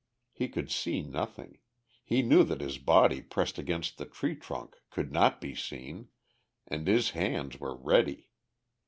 He could see nothing, he knew that his body pressed against the tree trunk could not be seen, and his hands were ready.